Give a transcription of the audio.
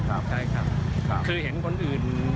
คือเห็นคนอื่น